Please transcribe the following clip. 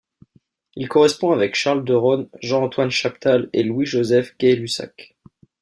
Il correspond avec Charles Derosne, Jean-Antoine Chaptal et Louis Joseph Gay-Lussac.